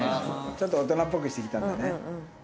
ちょっと大人っぽくしてきたんだね。